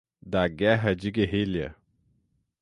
da guerra de guerrilha